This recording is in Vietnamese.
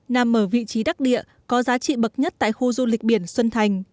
nằm ở vị trí đắc địa có giá trị bậc nhất tại khu du lịch biển xuân thành